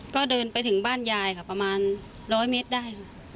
ก็เดินไปถึงบ้านยายค่ะประมาณร้อยเมตรได้ค่ะ